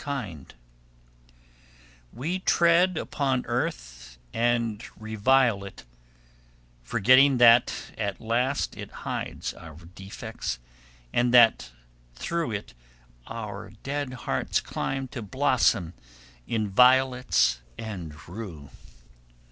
[Sidenote: The Wanderer's Rest] We tread upon earth and revile it, forgetting that at last it hides our defects and that through it our dead hearts climb to blossom in violets and rue.